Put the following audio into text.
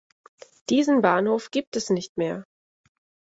Diesen Bahnhof gibt es nicht mehr.